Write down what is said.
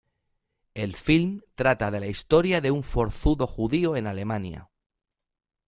El film trata de la historia de un forzudo judío en Alemania.